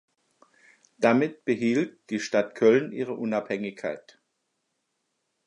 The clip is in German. Damit behielt die Stadt Köln ihre Unabhängigkeit.